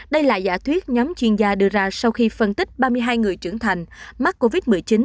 đây là giả thuyết nhóm chuyên gia đưa ra sau khi phân tích ba mươi hai người trưởng thành mắc covid một mươi chín